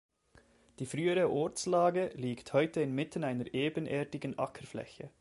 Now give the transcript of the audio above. Die frühere Ortslage liegt heute inmitten einer ebenerdigen Ackerfläche.